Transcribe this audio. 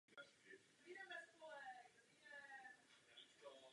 Od těchto politik musí být okamžitě upuštěno.